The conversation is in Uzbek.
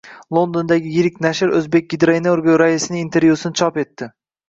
Londondagi yirik nashr “O‘zbekgidroenergo” raisining intervyusini chop etdi